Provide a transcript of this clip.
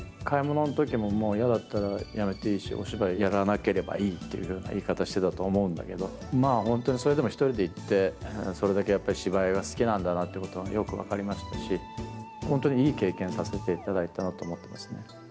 買い物のときも嫌だったらやめていいし、お芝居やらなければいいっていうような言い方してたと思うんだけど、本当にそれでも１人で行ってそれだけやっぱり、芝居が好きなんだなってことがよく分かりましたし、本当にいい経験させていただいたなと思ってますね。